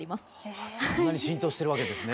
そんなに浸透してるわけですね。